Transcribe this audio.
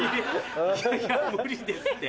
いやいや。